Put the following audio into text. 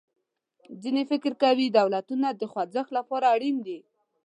ځینې فکر کوي دولتونه د خوځښت له پاره اړین دي.